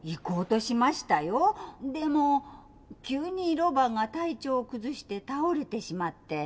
でも急にロバが体調を崩して倒れてしまって。